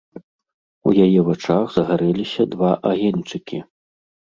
У яе вачах загарэліся два агеньчыкі.